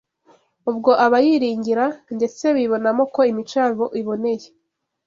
Ubwo abiyiringira, ndetse bibonamo ko imico yabo iboneye